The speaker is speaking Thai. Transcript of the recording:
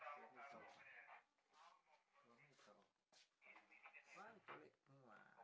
เจอตอนประมาณกี่โมงครับ